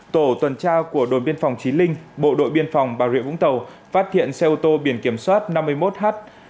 tổ tuần tra của đội biên phòng chí linh bộ đội biên phòng bà rịa vũng tàu phát hiện xe ô tô biển kiểm soát năm mươi một h năm mươi bảy nghìn bảy mươi tám